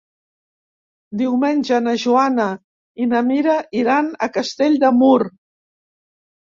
Diumenge na Joana i na Mira iran a Castell de Mur.